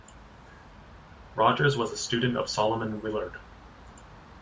Rogers was a student of Solomon Willard.